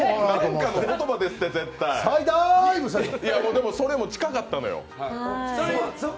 でも、それも近かったのよ。